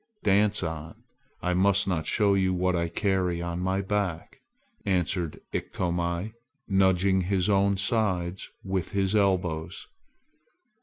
dance on! I must not show you what I carry on my back," answered Iktomi, nudging his own sides with his elbows.